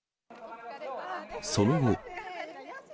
その後。